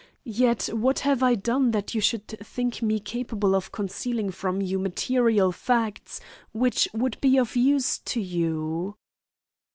Yet what have I done that you should think me capable of concealing from you material facts which would be of use to you?"